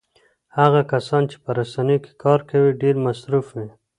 هغه کسان چې په رسنیو کې کار کوي ډېر مصروف وي.